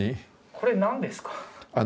これ何ですか？